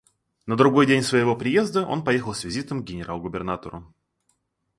На другой день своего приезда он поехал с визитом к генерал-губернатору.